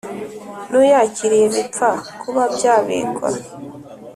n uyakiriye bipfa kuba byabikwa